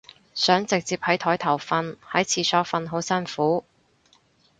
想直接喺枱頭瞓，喺廁所瞓好辛苦